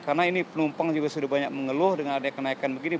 karena ini penumpang juga sudah banyak mengeluh dengan ada kenaikan begini